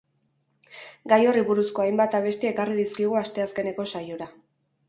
Gai horri buruzko hainbat abesti ekarri dizkigu asteazkeneko saiora.